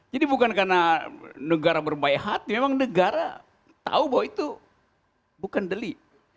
jadi bukan karena negara berbaik hati memang negara tahu bahwa itu bukan delik